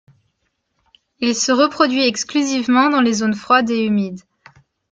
Il se reproduit exclusivement dans les zones froides et humides.